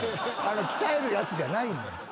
あの鍛えるやつじゃないねん。